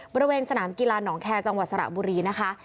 บริเวณสนามกีฬาหนองแคร์จังหวัดสระบุรีนะคะ